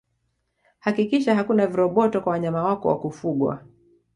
Hakikisha hakuna viroboto kwa wanyama wako wa kufugwaa